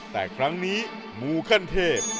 แต่ครั้งนี้มูขั้นเทพ